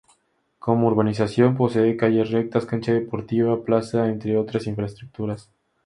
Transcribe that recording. Como urbanización posee calles rectas cancha deportiva, plaza, entre otras infraestructuras.